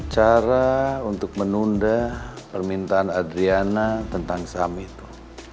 cara untuk menunda permintaan adriana tentang saham itu